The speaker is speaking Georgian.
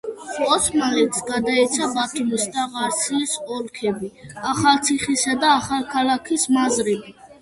ოსმალეთს გადაეცა ბათუმის და ყარსის ოლქები, ახალციხისა და ახალქალაქის მაზრები.